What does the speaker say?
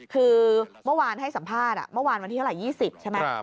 คือเมื่อวานให้สัมภาษณ์เมื่อวานวันที่เท่าไหร่๒๐ใช่ไหม